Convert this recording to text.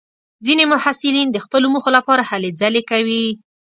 ځینې محصلین د خپلو موخو لپاره هلې ځلې کوي.